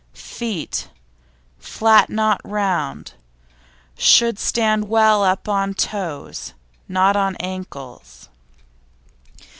FEET Flat, not round; should stand well up on toes, not on ankles.